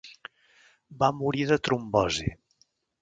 Va morir de trombosi.